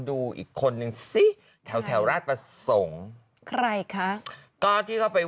ดูอีกคนหนึ่งซิแถวแถวราชปะสงใครออกค่ะก็ที่เขาไป